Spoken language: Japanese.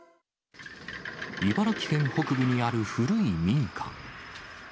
茨城県北部にある古い民家。